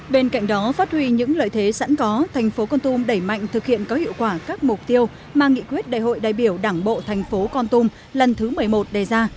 bên cạnh đó phát huy những lợi thế sẵn có thành phố con tum đẩy mạnh thực hiện có hiệu quả các mục tiêu mà nghị quyết đại hội đại biểu đảng bộ thành phố con tum lần thứ một mươi một đề ra